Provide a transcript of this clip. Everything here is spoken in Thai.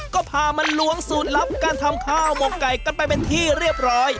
ก็พามันล้วงสูตรลับการทำข้าวหมกไก่กันไปเป็นที่เรียบร้อย